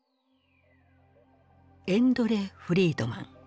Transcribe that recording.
エンドレ・フリードマン。